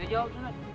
ya jawab sunan